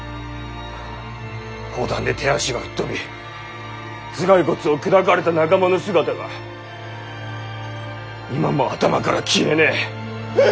砲弾で手足が吹っ飛び頭蓋骨を砕かれた仲間の姿が今も頭から消えねぇ。